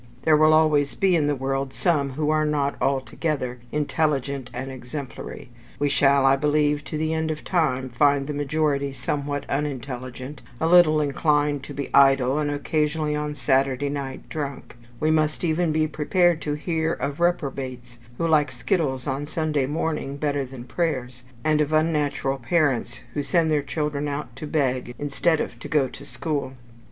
There will always be in the world some who are not altogether, intelligent and exemplary; we shall, I believe, to the end of time find the majority somewhat unintelligent, a little inclined to be idle, and occasionally, on Saturday night, drunk; we must even be prepared to hear of reprobates who like skittles on Sunday morning better than prayers; and of unnatural parents who send their children out to beg instead of to go to school.